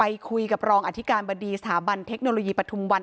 ไปคุยกับรองอธิการบดีสถาบันเทคโนโลยีปฐุมวัน